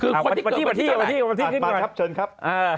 มาที่ขึ้นก่อน